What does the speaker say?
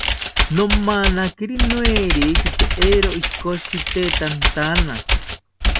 Nomanakiri noerekite eero ikoshitetantana